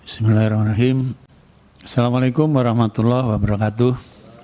bismillahirrahmanirrahim assalamualaikum warahmatullahi wabarakatuh